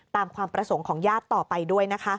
ความประสงค์ของญาติต่อไปด้วยนะคะ